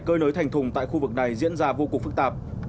cơi nới thành thùng tại khu vực này diễn ra vô cùng phức tạp